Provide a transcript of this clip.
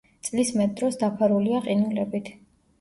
წლის მეტ დროს დაფარულია ყინულებით.